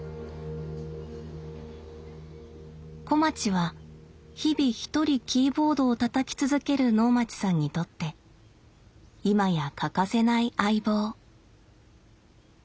小町は日々一人キーボードをたたき続ける能町さんにとって今や欠かせない相棒。